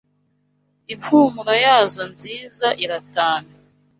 Impumuro yazo nziza iratamye